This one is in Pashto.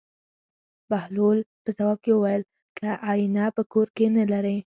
بهلول په ځواب کې وویل: که اېنه په کور کې نه لرې.